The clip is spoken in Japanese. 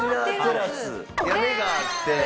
屋根があって。